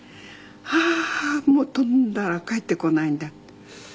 はあーもう飛んだら帰ってこないんだって。